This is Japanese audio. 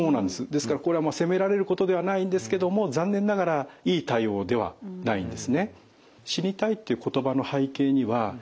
ですからこれは責められることではないんですけども残念ながらいい対応ではないんですね。